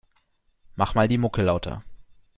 Mach mal die Mucke lauter.